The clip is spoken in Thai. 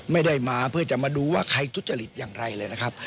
ไม่ได้มาเพื่อจะมาดูว่าใครทุจริตอย่างไรเลยนะครับ